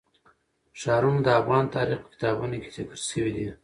ښارونه د افغان تاریخ په کتابونو کې ذکر شوی دي.